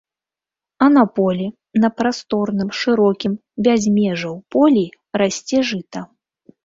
А на полі, на прасторным, шырокім, без межаў полі расце жыта.